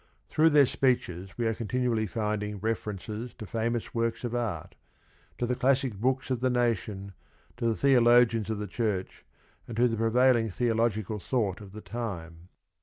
Through their speeches we are continually finding references to famous works of art, to the ela stic buuks o f the nation , to the theologians of the church, and to the prevailing theological thought of the time.